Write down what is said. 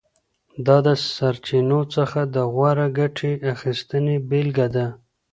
دا د سرچینو څخه د غوره ګټې اخیستنې بېلګه ده.